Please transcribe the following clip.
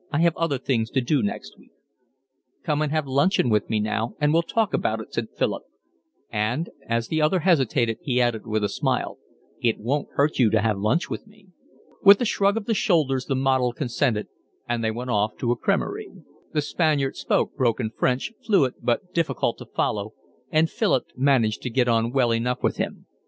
"I have other things to do next week." "Come and have luncheon with me now, and we'll talk about it," said Philip, and as the other hesitated, he added with a smile: "It won't hurt you to lunch with me." With a shrug of the shoulders the model consented, and they went off to a cremerie. The Spaniard spoke broken French, fluent but difficult to follow, and Philip managed to get on well enough with him.